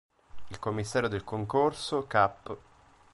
Il Commissario del concorso, cap.